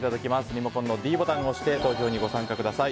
リモコンのｄボタンを押して投票にご参加ください。